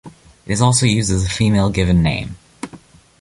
It is also used as a female given name.